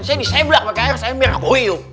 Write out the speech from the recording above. saya disemblak pakai air saya merah koyuk